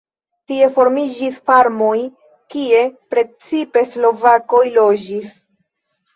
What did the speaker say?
Tie formiĝis farmoj, kie precipe slovakoj loĝis.